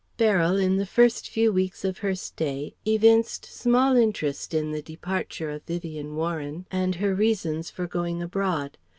Beryl in the first few weeks of her stay evinced small interest in the departure of Vivien Warren and her reasons for going abroad.